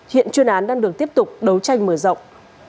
hiện chuyên án đang được tiếp tục đấu tranh mở rộng